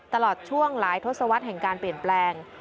ตลอดช่วงหลายทศวรรษแห่งการเปลี่ยนแปลง